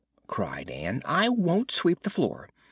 cried Ann; "I won't sweep the floor.